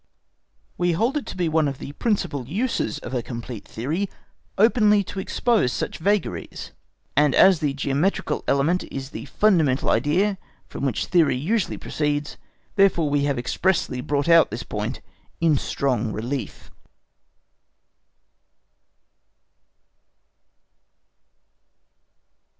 We hold it to be one of the principal uses of a complete theory openly to expose such vagaries, and as the geometrical element is the fundamental idea from which theory usually proceeds, therefore we have expressly brought out this point in strong relief.